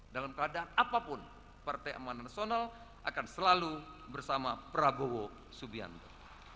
dalam keadaan apapun partai amanat nasional akan selalu bersama prabowo subianto